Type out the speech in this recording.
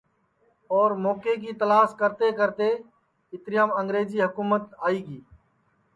اور موکے کی تلاس کرتے کرتے اِتریام انگریجے کی حکُمت آئی گی